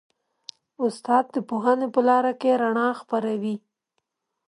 استاد د پوهنې په لاره کې رڼا خپروي.